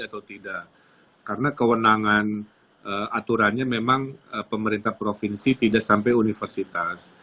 atau tidak karena kewenangan aturannya memang pemerintah provinsi tidak sampai universitas